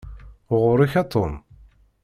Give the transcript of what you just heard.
Ɣuṛ-k a Tom.